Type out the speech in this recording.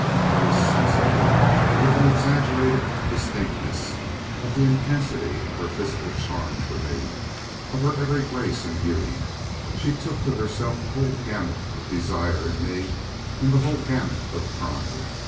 I was sensible, with an exaggerated distinctness, of the intensity of her physical charm for me, of her every grace and beauty; she took to herself the whole gamut of desire in me and the whole gamut of pride.